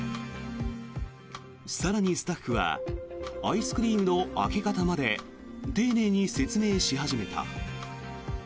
更にスタッフはアイスクリームの開け方まで丁寧に説明し始めた。